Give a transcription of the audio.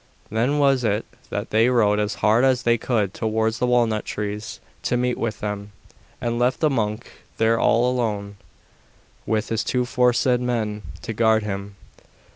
Then was it that they rode as hard as they could towards the walnut trees to meet with them, and left the monk there all alone, with his two foresaid men to guard him.